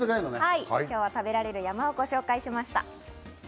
今日は食べられる山、ご紹介しました。